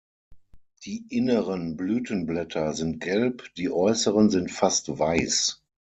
Die inneren Blütenblätter sind gelb, die äußeren sind fast weiß.